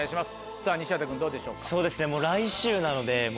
さぁ西畑君どうでしょうか？